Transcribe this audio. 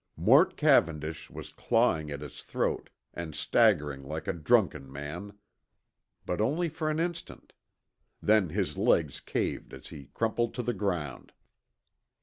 Mort Cavendish was clawing at his throat and staggering like a drunken man. But only for an instant. Then his legs caved as he crumpled to the ground.